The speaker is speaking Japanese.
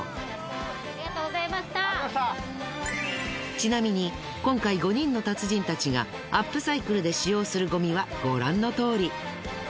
ちなみに今回５人の達人たちがアップサイクルで使用するゴミはご覧のとおり。